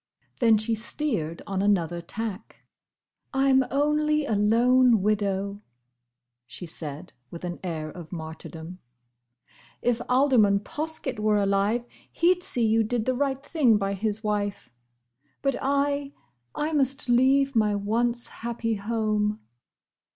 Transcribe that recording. Then she steered on another tack. "I 'm only a lone widow," she said, with an air of martyrdom. "If Alderman Poskett were alive, he 'd see you did the right thing by his wife. But I!—I must leave my once happy home!"